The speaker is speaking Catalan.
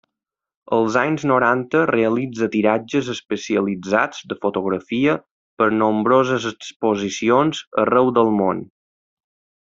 Als anys noranta realitza tiratges especialitzats de fotografia per a nombroses exposicions arreu del món.